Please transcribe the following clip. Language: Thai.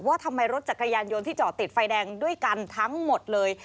ว่าทำไมรถจักรยานยนต์ที่จอดติดไฟแดงด้วยกันทั้งหมดเลย